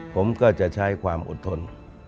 ผมก็จะใช้ความอดทน